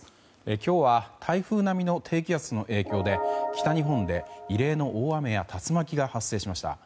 今日は台風並みの低気圧の影響で北日本で異例の大雨や竜巻が発生しました。